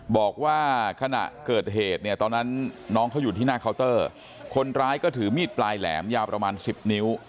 บอกว่าขณะเกิดเหตุเนี่ยตอนนั้นน้องเขาอยู่ที่หน้าเคาน์เตอร์คนร้ายก็ถือมีดปลายแหลมยาวประมาณ๑๐นิ้ว